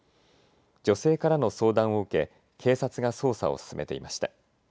女性からの相談を受け警察が捜査を進めていました。